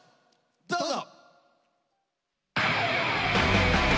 どうぞ！